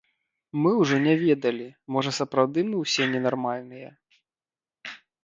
Мы ўжо не ведалі, можа сапраўды мы ўсе ненармальныя.